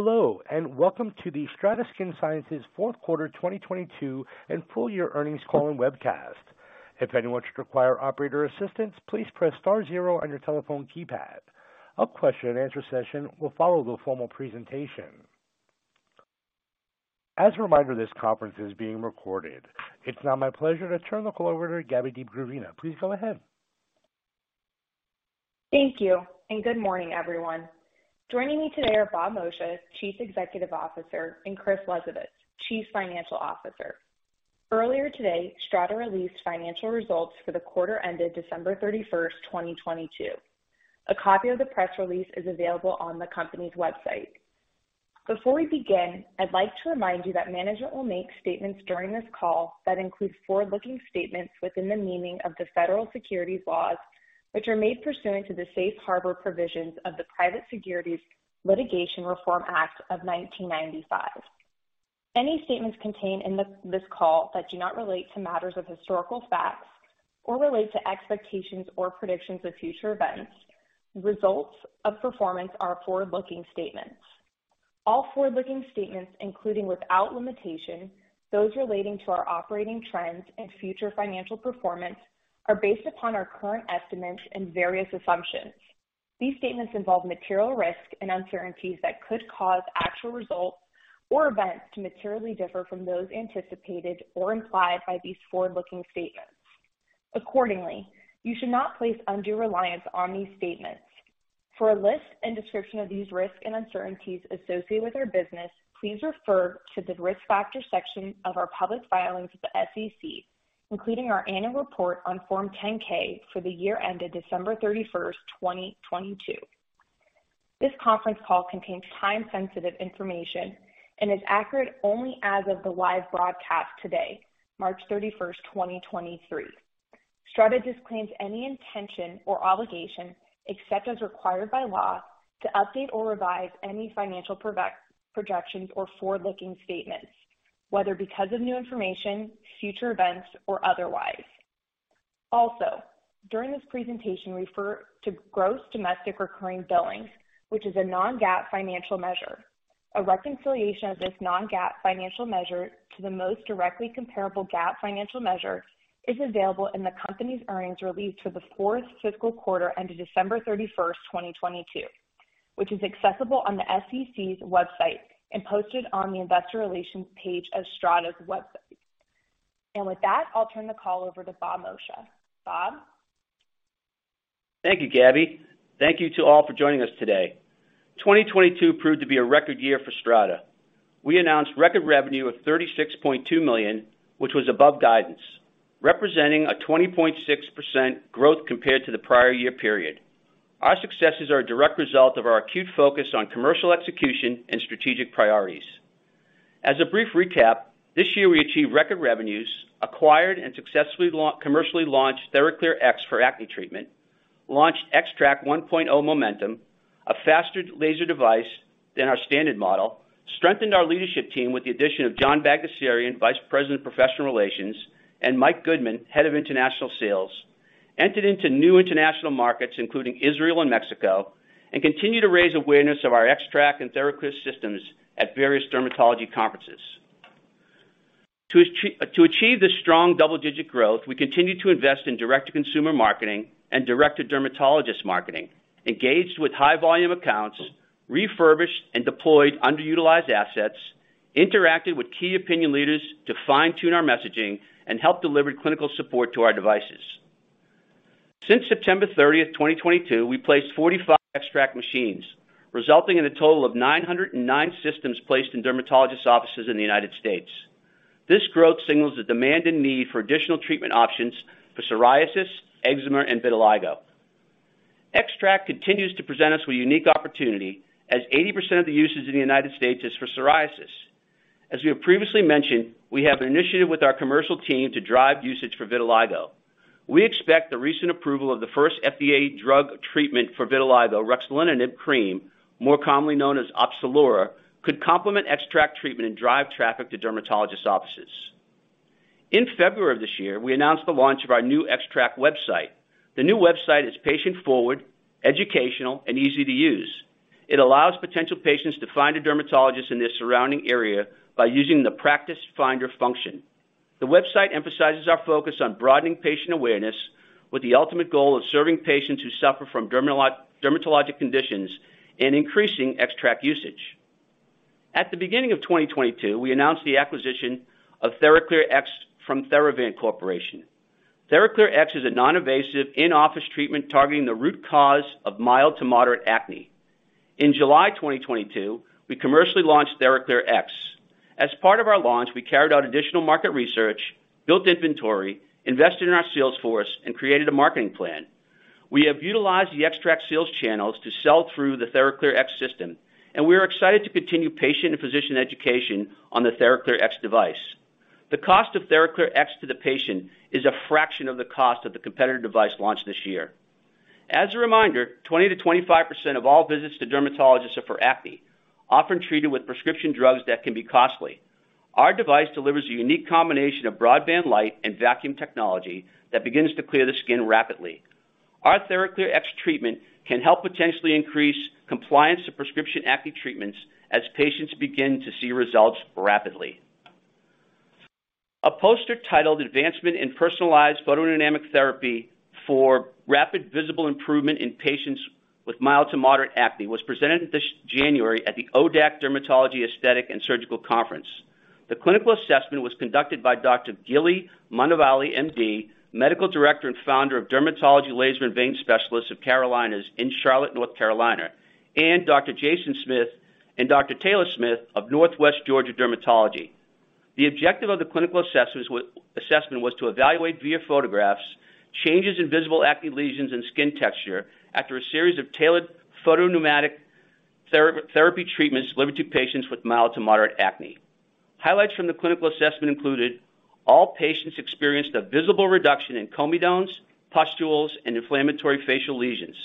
Hello, and welcome to the STRATA Skin Sciences fourth quarter 2022 and full year earnings call and webcast. If anyone should require operator assistance, please press star zero on your telephone keypad. A question and answer session will follow the formal presentation. As a reminder, this conference is being recorded. It's now my pleasure to turn the call over to Gabby DeGravina. Please go ahead. Thank you. Good morning, everyone. Joining me today are Bob Moccia, Chief Executive Officer, and Chris Lesovitz, Chief Financial Officer. Earlier today, STRATA released financial results for the quarter ended December 31st, 2022. A copy of the press release is available on the company's website. Before we begin, I'd like to remind you that management will make statements during this call that include forward-looking statements within the meaning of the Federal Securities laws, which are made pursuant to the Safe Harbor provisions of the Private Securities Litigation Reform Act of 1995. Any statements contained in this call that do not relate to matters of historical facts or relate to expectations or predictions of future events, results of performance are forward-looking statements. All forward-looking statements, including without limitation, those relating to our operating trends and future financial performance, are based upon our current estimates and various assumptions. These statements involve material risk and uncertainties that could cause actual results or events to materially differ from those anticipated or implied by these forward-looking statements. Accordingly, you should not place undue reliance on these statements. For a list and description of these risks and uncertainties associated with our business, please refer to the Risk Factors section of our public filings with the SEC, including our annual report on Form 10-K for the year ended December 31st, 2022. This conference call contains time-sensitive information and is accurate only as of the live broadcast today, March 31st, 2023. STRATA disclaims any intention or obligation, except as required by law, to update or revise any financial projections or forward-looking statements, whether because of new information, future events, or otherwise. Also, during this presentation, we refer to gross domestic recurring billings, which is a non-GAAP financial measure. A reconciliation of this non-GAAP financial measure to the most directly comparable GAAP financial measure is available in the company's earnings release for the fourth fiscal quarter ended December 31st, 2022, which is accessible on the SEC's website and posted on the investor relations page of STRATA's website. With that, I'll turn the call over to Bob Moccia. Bob? Thank you, Gabby. Thank you to all for joining us today. 2022 proved to be a record year for STRATA. We announced record revenue of $36.2 million, which was above guidance, representing a 20.6% growth compared to the prior year period. Our successes are a direct result of our acute focus on commercial execution and strategic priorities. As a brief recap, this year we achieved record revenues, acquired and successfully commercially launched TheraClear X for acne treatment. Launched XTRAC 1.0 Momentum, a faster laser device than our standard model. Strengthened our leadership team with the addition of John Bagdasarian, Vice President of Professional Relations, and Mike Goodman, Head of International Sales. Entered into new international markets, including Israel and Mexico. Continued to raise awareness of our XTRAC and TheraClear systems at various dermatology conferences. To achieve this strong double-digit growth, we continued to invest in direct-to-consumer marketing and direct-to-dermatologist marketing, engaged with high volume accounts, refurbished and deployed underutilized assets, interacted with key opinion leaders to fine-tune our messaging, and helped deliver clinical support to our devices. Since September 30th, 2022, we placed 45 XTRAC machines, resulting in a total of 909 systems placed in dermatologists' offices in the United States. This growth signals the demand and need for additional treatment options for psoriasis, eczema, and vitiligo. XTRAC continues to present us with a unique opportunity, as 80% of the users in the United States is for psoriasis. As we have previously mentioned, we have an initiative with our commercial team to drive usage for vitiligo. We expect the recent approval of the first FDA drug treatment for vitiligo, ruxolitinib cream, more commonly known as Opzelura, could complement XTRAC treatment and drive traffic to dermatologists' offices. In February of this year, we announced the launch of our new XTRAC website. The new website is patient-forward, educational and easy to use. It allows potential patients to find a dermatologist in their surrounding area by using the Practice Finder function. The website emphasizes our focus on broadening patient awareness with the ultimate goal of serving patients who suffer from dermatologic conditions and increasing XTRAC usage. At the beginning of 2022, we announced the acquisition of TheraClear X from Theravant Corporation. TheraClear X is a non-invasive in-office treatment targeting the root cause of mild to moderate acne. In July 2022, we commercially launched TheraClear X. As part of our launch, we carried out additional market research, built inventory, invested in our sales force, and created a marketing plan. We have utilized the XTRAC sales channels to sell through the TheraClear X system, and we are excited to continue patient and physician education on the TheraClear X device. The cost of TheraClear X to the patient is a fraction of the cost of the competitor device launched this year. As a reminder, 20%-25% of all visits to dermatologists are for acne, often treated with prescription drugs that can be costly. Our device delivers a unique combination of broadband light and vacuum technology that begins to clear the skin rapidly. Our TheraClear X treatment can help potentially increase compliance to prescription acne treatments as patients begin to see results rapidly. A poster titled Advancement in Personalized Photodynamic Therapy for Rapid Visible Improvement in Patients with Mild to Moderate Acne was presented this January at the ODAC Dermatology, Aesthetic and Surgical Conference. The clinical assessment was conducted by Dr. Gilly Munavalli, MD, Medical Director and Founder of Dermatology, Laser and Vein Specialists of Carolinas in Charlotte, North Carolina, and Dr. Jason Smith and Dr. Taylor Smith of Northwest Georgia Dermatology. The objective of the clinical assessment was to evaluate via photographs, changes in visible acne lesions and skin texture after a series of tailored photopneumatic therapy treatments delivered to patients with mild to moderate acne. Highlights from the clinical assessment included all patients experienced a visible reduction in comedones, pustules, and inflammatory facial lesions.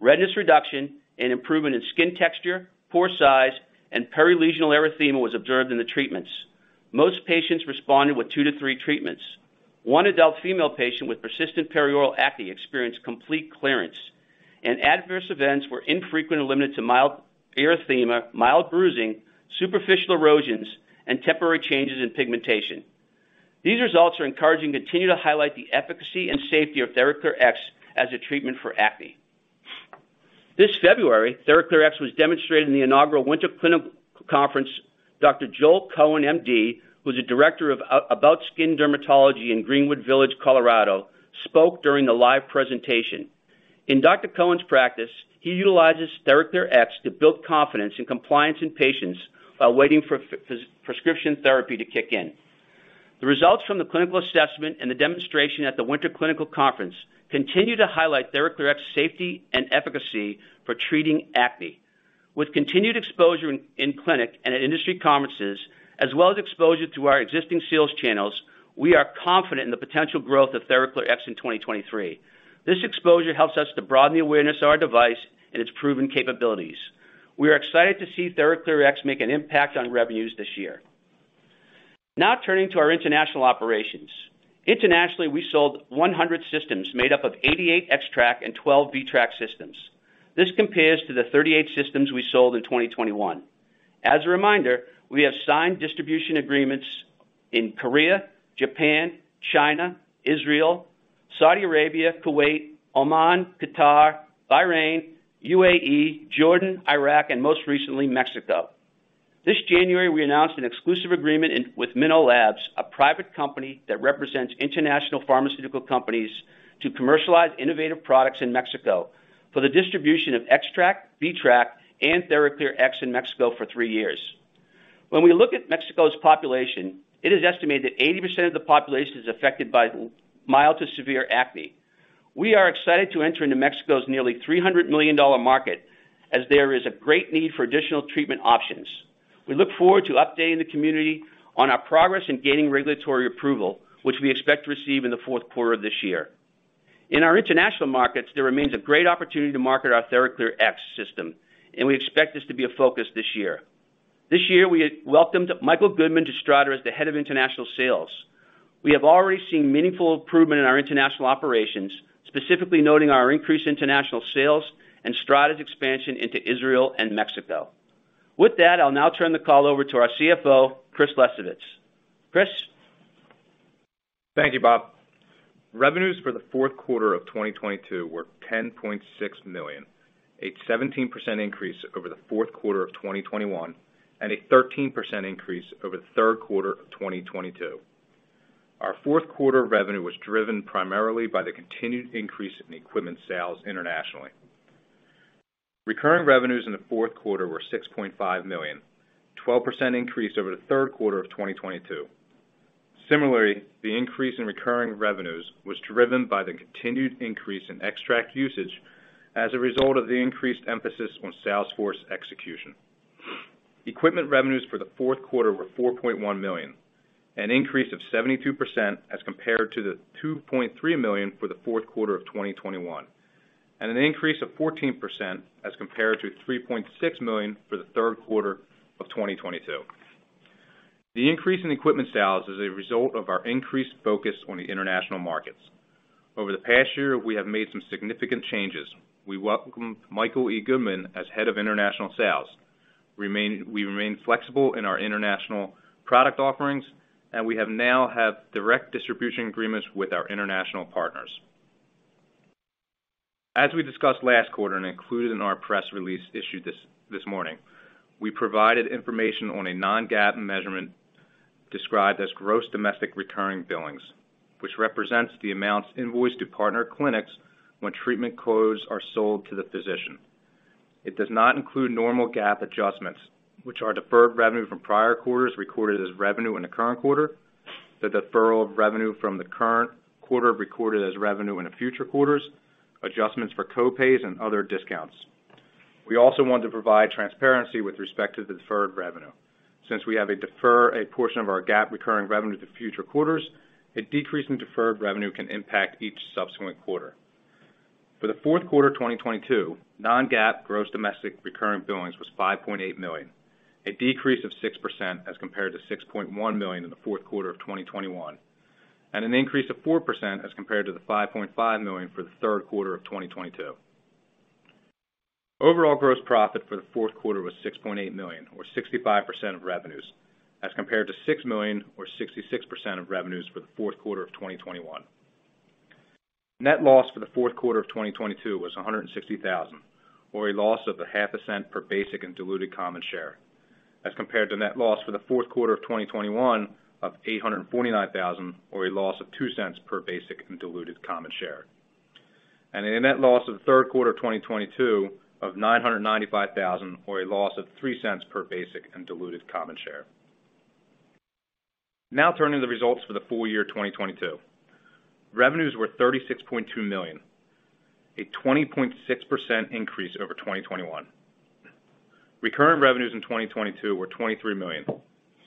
Redness reduction and improvement in skin texture, pore size, and perilesional erythema was observed in the treatments. Most patients responded with two to three treatments. One adult female patient with persistent perioral acne experienced complete clearance, and adverse events were infrequent and limited to mild erythema, mild bruising, superficial erosions, and temporary changes in pigmentation. These results are encouraging and continue to highlight the efficacy and safety of TheraClear X as a treatment for acne. This February, TheraClear X was demonstrated in the inaugural Winter Clinical Conference. Dr. Joel Cohen, MD, who's a director of AboutSkin Dermatology in Greenwood Village, Colorado, spoke during the live presentation. In Dr. Cohen's practice, he utilizes TheraClear X to build confidence and compliance in patients while waiting for prescription therapy to kick in. The results from the clinical assessment and the demonstration at the Winter Clinical Conference continue to highlight TheraClear X safety and efficacy for treating acne. With continued exposure in clinic and at industry conferences, as well as exposure to our existing sales channels, we are confident in the potential growth of TheraClear X in 2023. This exposure helps us to broaden the awareness of our device and its proven capabilities. We are excited to see TheraClear X make an impact on revenues this year. Now turning to our international operations. Internationally, we sold 100 systems made up of 88 XTRAC and 12 VTRAC systems. This compares to the 38 systems we sold in 2021. As a reminder, we have signed distribution agreements in Korea, Japan, China, Israel, Saudi Arabia, Kuwait, Oman, Qatar, Bahrain, UAE, Jordan, Iraq, and most recently, Mexico. This January, we announced an exclusive agreement with MINO Labs, a private company that represents international pharmaceutical companies to commercialize innovative products in Mexico for the distribution of XTRAC, VTRAC, and TheraClear X in Mexico for three years. We look at Mexico's population, it is estimated that 80% of the population is affected by mild to severe acne. We are excited to enter into Mexico's nearly $300 million market as there is a great need for additional treatment options. We look forward to updating the community on our progress in gaining regulatory approval, which we expect to receive in the fourth quarter of this year. In our international markets, there remains a great opportunity to market our TheraClear X system, we expect this to be a focus this year. This year, we welcomed Michael Goodman to STRATA as the Head of International Sales. We have already seen meaningful improvement in our international operations, specifically noting our increased international sales and STRATA's expansion into Israel and Mexico. I'll now turn the call over to our CFO, Chris Lesovitz. Chris. Thank you, Bob. Revenues for the fourth quarter of 2022 were $10.6 million, a 17% increase over the fourth quarter of 2021, and a 13% increase over the third quarter of 2022. Our fourth quarter revenue was driven primarily by the continued increase in equipment sales internationally. Recurring revenues in the fourth quarter were $6.5 million, 12% increase over the third quarter of 2022. Similarly, the increase in recurring revenues was driven by the continued increase in XTRAC usage as a result of the increased emphasis on sales force execution. Equipment revenues for the fourth quarter were $4.1 million, an increase of 72% as compared to the $2.3 million for the fourth quarter of 2021, and an increase of 14% as compared to $3.6 million for the third quarter of 2022. The increase in equipment sales is a result of our increased focus on the international markets. Over the past year, we have made some significant changes. We welcomed Michael E. Goodman as Head of International Sales. We remain flexible in our international product offerings, and we have now have direct distribution agreements with our international partners. As we discussed last quarter and included in our press release issued this morning, we provided information on a non-GAAP measurement described as gross domestic recurring billings, which represents the amounts invoiced to partner clinics when treatment codes are sold to the physician. It does not include normal GAAP adjustments, which are deferred revenue from prior quarters recorded as revenue in the current quarter, the deferral of revenue from the current quarter recorded as revenue in the future quarters, adjustments for co-pays and other discounts. We also want to provide transparency with respect to the deferred revenue. Since we defer a portion of our GAAP recurring revenue to future quarters, a decrease in deferred revenue can impact each subsequent quarter. For the fourth quarter of 2022, non-GAAP gross domestic recurring billings was $5.8 million. A decrease of 6% as compared to $6.1 million in the fourth quarter of 2021, and an increase of 4% as compared to the $5.5 million for the third quarter of 2022. Overall gross profit for the fourth quarter was $6.8 million, or 65% of revenues, as compared to $6 million or 66% of revenues for the fourth quarter of 2021. Net loss for the fourth quarter of 2022 was $160,000, or a loss of the half a cent per basic and diluted common share, as compared to net loss for the fourth quarter of 2021 of $849,000, or a loss of $0.02 per basic and diluted common share. A net loss of the third quarter of 2022 of $995,000, or a loss of $0.03 per basic and diluted common share. Now turning to the results for the full year 2022. Revenues were $36.2 million, a 20.6% increase over 2021. Recurrent revenues in 2022 were $23 million,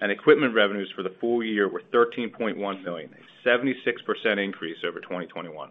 and equipment revenues for the full year were $13.1 million, a 76% increase over 2021.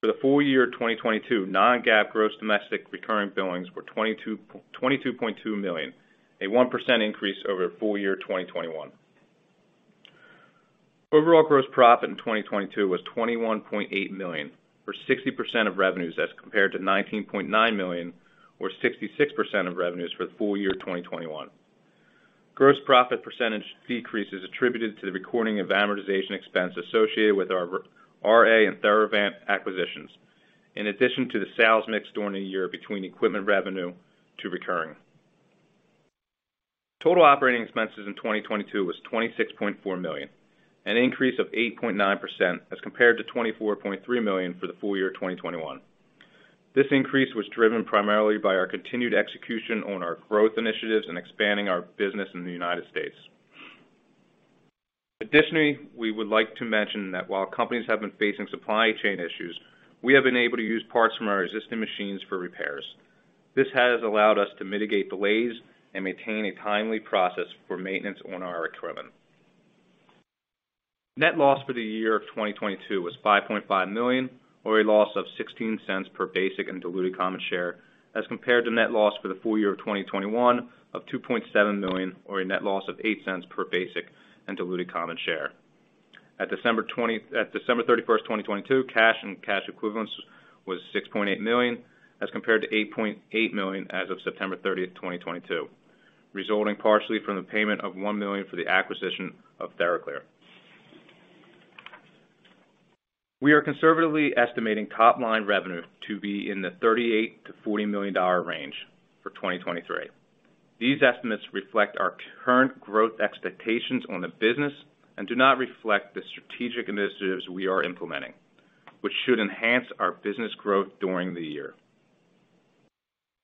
For the full year of 2022, non-GAAP gross domestic recurring billings were $22.2 million, a 1% increase over full year 2021. Overall gross profit in 2022 was $21.8 million, or 60% of revenues, as compared to $19.9 million, or 66% of revenues for the full year 2021. Gross profit percentage decrease is attributed to the recording of amortization expense associated with our RA and Theravant acquisitions, in addition to the sales mix during the year between equipment revenue to recurring. Total operating expenses in 2022 was $26.4 million, an increase of 8.9% as compared to $24.3 million for the full year 2021. This increase was driven primarily by our continued execution on our growth initiatives and expanding our business in the United States. We would like to mention that while companies have been facing supply chain issues, we have been able to use parts from our existing machines for repairs. This has allowed us to mitigate delays and maintain a timely process for maintenance on our equipment. Net loss for the year of 2022 was $5.5 million, or a loss of $0.16 per basic and diluted common share, as compared to net loss for the full year of 2021 of $2.7 million, or a net loss of $0.08 per basic and diluted common share. At December 31st, 2022, cash and cash equivalents was $6.8 million, as compared to $8.8 million as of September 30th, 2022, resulting partially from the payment of $1 million for the acquisition of TheraClear. We are conservatively estimating top line revenue to be in the $38 million-$40 million range for 2023. These estimates reflect our current growth expectations on the business and do not reflect the strategic initiatives we are implementing, which should enhance our business growth during the year.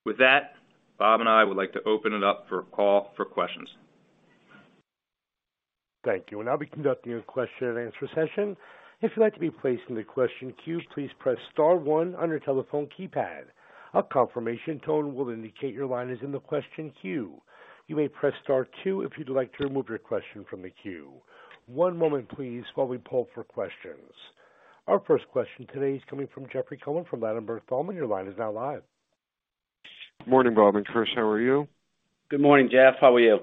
With that, Bob and I would like to open it up for call for questions. Thank you. I'll be conducting your question and answer session. If you'd like to be placed in the question queue, please press star one on your telephone keypad. A confirmation tone will indicate your line is in the question queue. You may press star two if you'd like to remove your question from the queue. One moment please while we pull for questions. Our first question today is coming from Jeffrey Cohen from Ladenburg Thalmann. Your line is now live. Morning, Bob and Chris. How are you? Good morning, Jeff. How are you?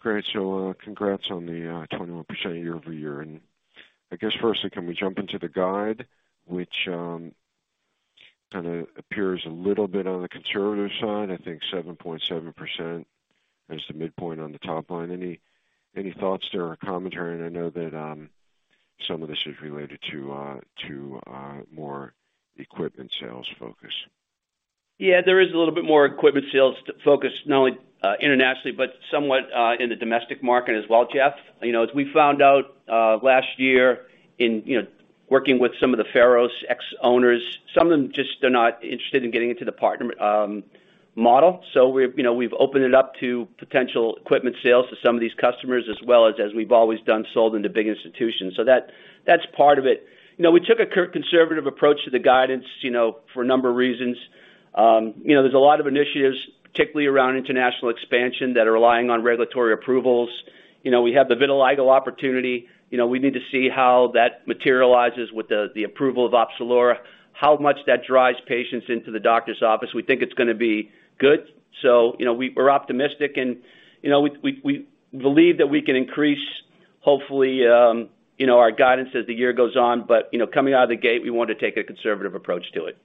Great. Congrats on the 21% year-over-year. I guess firstly, can we jump into the guide which kinda appears a little bit on the conservative side, I think 7.7% is the midpoint on the top line. Any thoughts there or commentary? I know that some of this is related to more equipment sales focus. Yeah, there is a little bit more equipment sales focus, not only internationally, but somewhat in the domestic market as well, Jeff. You know, as we found out last year in, you know, working with some of the Pharos ex-owners, some of them just, they're not interested in getting into the partner model. We've, you know, we've opened it up to potential equipment sales to some of these customers, as well as we've always done, sold into big institutions. That, that's part of it. You know, we took a conservative approach to the guidance, you know, for a number of reasons. There's a lot of initiatives, particularly around international expansion that are relying on regulatory approvals. You know, we have the vitiligo opportunity. You know, we need to see how that materializes with the approval of Opzelura, how much that drives patients into the doctor's office. We think it's gonna be good. You know, we're optimistic and, you know, we believe that we can increase hopefully, you know, our guidance as the year goes on. You know, coming out of the gate, we want to take a conservative approach to it.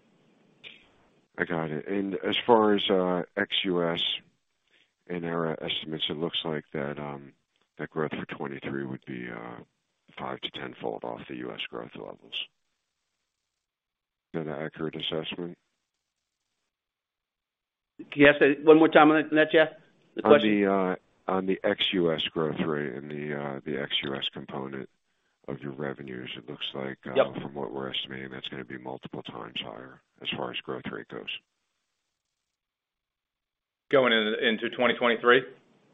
I got it. As far as, ex-U.S. in our estimates, it looks like that growth for 2023 would be five to tenfold off the U.S. growth levels. Is that an accurate assessment? Can you ask that one more time, Jeff? The question. On the, on the ex-U.S. growth rate and the ex-U.S. component of your revenues, it looks like. Yep. From what we're estimating, that's gonna be multiple times higher as far as growth rate goes. Going in, into 2023?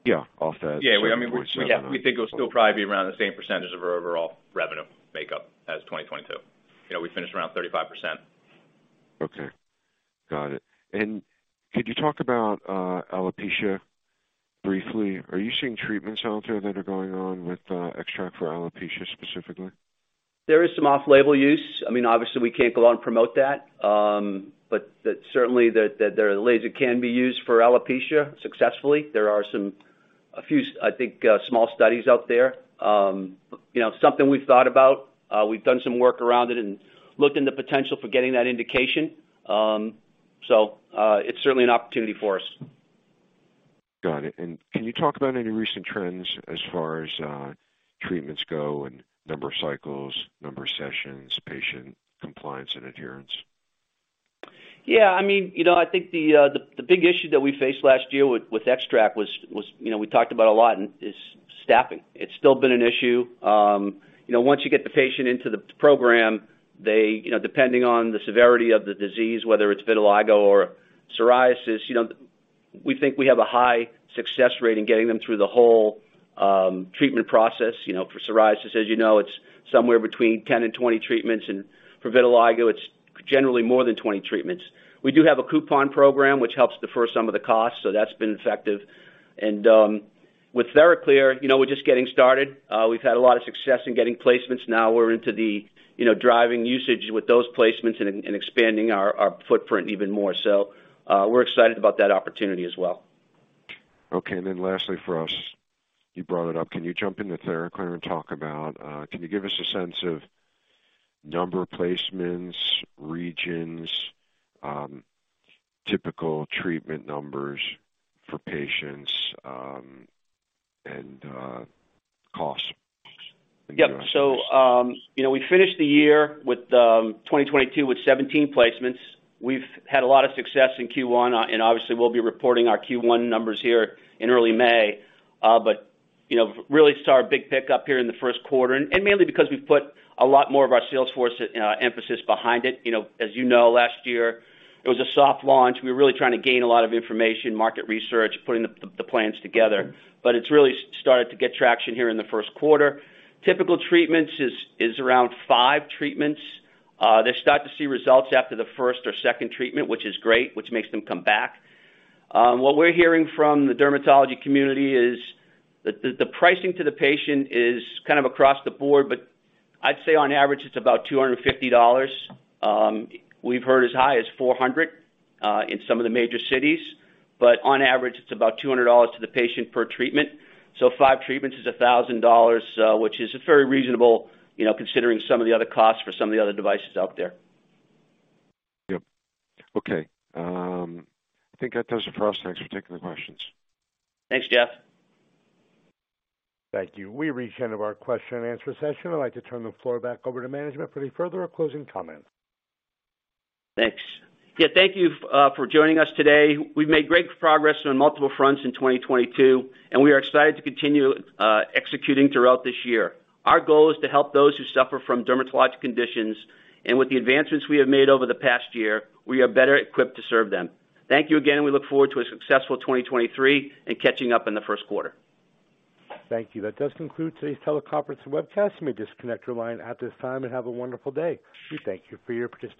Yeah, off that 7.7. Yeah. We, I mean, yeah, we think it'll still probably be around the same percentage of our overall revenue makeup as 2022. You know, we finished around 35%. Okay. Got it. Could you talk about alopecia briefly, are you seeing treatments out there that are going on with XTRAC for alopecia specifically? There is some off-label use. I mean, obviously we can't go out and promote that. That certainly the laser can be used for alopecia successfully. There are a few, I think, small studies out there. You know, something we've thought about, we've done some work around it and looked into potential for getting that indication. It's certainly an opportunity for us. Got it. Can you talk about any recent trends as far as treatments go and number of cycles, number of sessions, patient compliance and adherence? Yeah, I mean, you know, I think the big issue that we faced last year with XTRAC was, you know, we talked about a lot and is staffing. It's still been an issue. You know, once you get the patient into the program, they, you know, depending on the severity of the disease, whether it's vitiligo or psoriasis, you know, we think we have a high success rate in getting them through the whole treatment process, you know. For psoriasis, as you know, it's somewhere between 10 and 20 treatments, and for vitiligo, it's generally more than 20 treatments. We do have a coupon program which helps defer some of the costs, so that's been effective. With TheraClear, you know, we're just getting started. We've had a lot of success in getting placements. We're into the, you know, driving usage with those placements and expanding our footprint even more. We're excited about that opportunity as well. Okay. Lastly for us, you brought it up. Can you jump into TheraClear and talk about, can you give us a sense of number of placements, regions, typical treatment numbers for patients, and costs? You know, we finished the year with 2022 with 17 placements. We've had a lot of success in Q1, and obviously we'll be reporting our Q1 numbers here in early May. You know, really saw our big pickup here in the first quarter, and mainly because we've put a lot more of our sales force emphasis behind it. You know, as you know, last year it was a soft launch. We were really trying to gain a lot of information, market research, putting the plans together. It's really started to get traction here in the first quarter. Typical treatments is around five treatments. They start to see results after the first or second treatment, which is great, which makes them come back. What we're hearing from the dermatology community is the pricing to the patient is kind of across the board, but I'd say on average it's about $250. We've heard as high as $400 in some of the major cities, but on average, it's about $200 to the patient per treatment. Five treatments is $1,000, which is a very reasonable, you know, considering some of the other costs for some of the other devices out there. Yep. Okay. I think that does it for us. Thanks for taking the questions. Thanks, Jeff. Thank you. We've reached the end of our question and answer session. I'd like to turn the floor back over to management for any further or closing comments. Thanks. Yeah, thank you for joining us today. We've made great progress on multiple fronts in 2022, and we are excited to continue executing throughout this year. Our goal is to help those who suffer from dermatologic conditions, and with the advancements we have made over the past year, we are better equipped to serve them. Thank you again. We look forward to a successful 2023 and catching up in the first quarter. Thank you. That does conclude today's teleconference and webcast. You may disconnect your line at this time and have a wonderful day. We thank you for your participation.